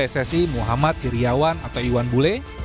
anggota dpr ri muhammad iryawan atau iwan bule